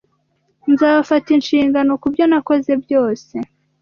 Nzafata inshingano kubyo nakoze byose